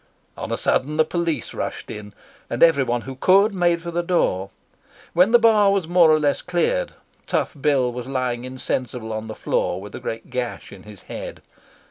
On a sudden the police rushed in, and everyone who could made for the door. When the bar was more or less cleared, Tough Bill was lying insensible on the floor with a great gash in his head.